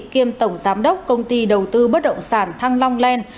kiêm tổng giám đốc công ty đầu tư bất động sản thăng long len